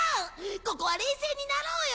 ここは冷静になろうよ。